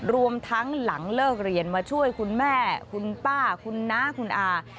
รวมทั้งหลังเลิกเรียนมาช่วยคุณแม่คุณป้าคุณน้าคุณอา